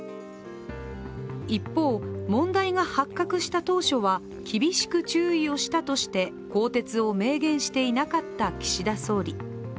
一方、問題が発覚した当初は厳しく注意をしたとして更迭を明言していなかった岸田総理。